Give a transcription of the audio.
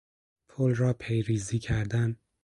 پل را پیریزی کردن